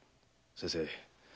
先生